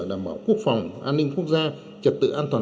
đảm bảo đồng hành